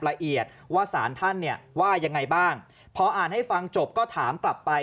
ละเอียดว่าสารท่านเนี่ยว่ายังไงบ้างพออ่านให้ฟังจบก็ถามกลับไป